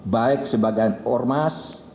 baik sebagai ormas